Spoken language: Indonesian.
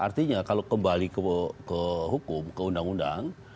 artinya kalau kembali ke hukum ke undang undang